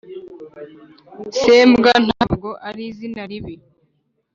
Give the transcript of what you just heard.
sembwa ntabwo ari izina ribi